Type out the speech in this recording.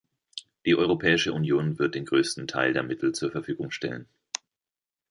Die Europäische Union wird den größten Teil der Mittel zur Verfügung stellen.